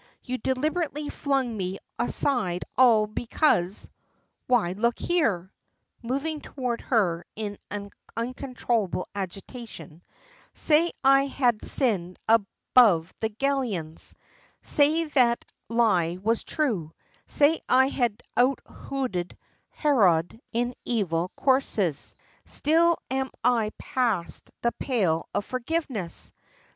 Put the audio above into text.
You deliberately flung me aside all because Why, look here!" moving toward her in uncontrollable agitation, "say I had sinned above the Galileans say that lie was true say I had out Heroded Herod in evil courses, still am I past the pale of forgiveness?